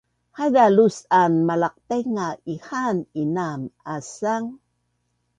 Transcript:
haiza lus’an Malaqtainga ihaan inaam asang